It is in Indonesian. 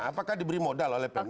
apakah diberi modal oleh pemda